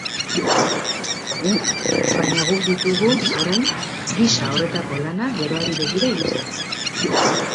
Baina guk ditugu, orain, gisa horretako lanak geroari begira egiten.